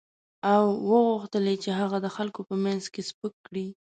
او وغوښتل یې چې هغه د خلکو په مخ کې سپک کړي.